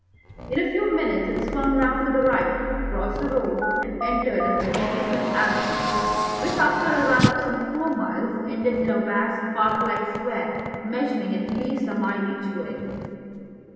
In a few minutes it swung round to the right, crossed the road, and entered a magnificent avenue, which, after a run of some four miles, ended in a vast, park like square, measuring at least a mile each way.